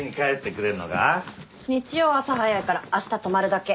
日曜朝早いからあした泊まるだけ。